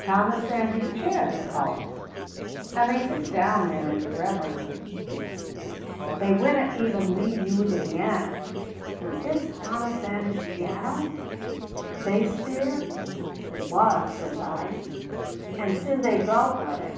'Thomas Sandys's chair,' they call it, and they sit down in it reverently. They winna even leave you the piano. 'Was this Thomas Sandys's piano?' they speir. 'It was,' says I, and syne they gowp at it."